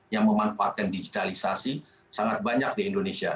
yang memanfaatkan digitalisasi sangat banyak di indonesia